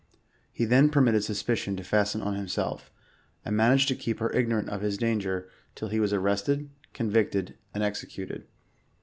He then permitted suspicion to fasten on himself; and managed to keep her ignorant of his danger, till he was ar rested« convicted and executed.